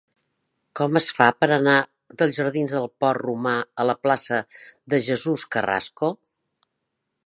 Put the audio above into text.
Com es fa per anar dels jardins del Port Romà a la plaça de Jesús Carrasco?